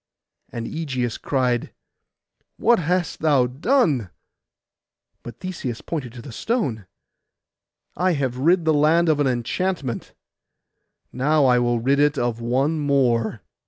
And Ægeus cried, 'What hast thou done?' But Theseus pointed to the stone, 'I have rid the land of an enchantment: now I will rid it of one more.